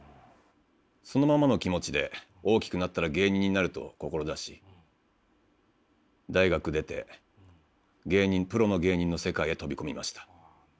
そのままの気持ちで大きくなったら芸人になると志し大学出てプロの芸人の世界へ飛び込みました。